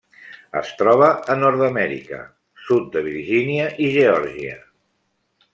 Es troba a Nord-amèrica: sud de Virgínia i Geòrgia.